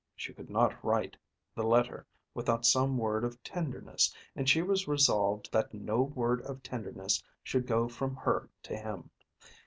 She could not write the letter without some word of tenderness, and she was resolved that no word of tenderness should go from her to him.